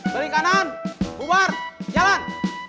beli kanan bubar jalan